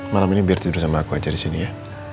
malam ini biar tidur sama aku aja disini ya